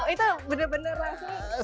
itu bener bener langsung